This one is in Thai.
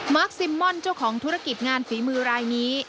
ซิมม่อนเจ้าของธุรกิจงานฝีมือรายนี้